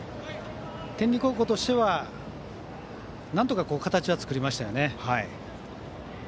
天理高校としては、なんとか形は作りましたよね。